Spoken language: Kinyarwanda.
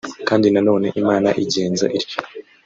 Kandi na none Imana igenza ityo